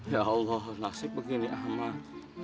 ya allah nasib begini ahmad